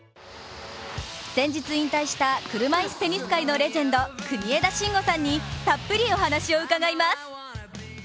先日引退した、車いすテニス界のレジェンド国枝慎吾さんにたっぷりお話を伺います。